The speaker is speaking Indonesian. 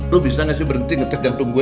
lo bisa gak sih berhenti ngecek jantung gue